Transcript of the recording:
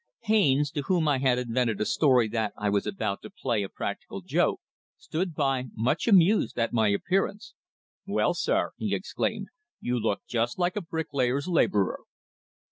Haines, to whom I had invented a story that I was about to play a practical joke, stood by much amused at my appearance. "Well, sir," he exclaimed; "you look just like a bricklayer's labourer!"